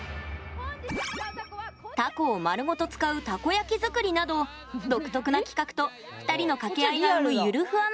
たこを丸ごと使うたこ焼き作りなど独特な企画と二人の掛け合いが生むゆるふわ